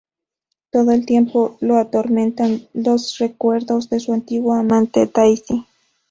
Todo el tiempo lo atormentan los recuerdos de su antigua amante, Daisy.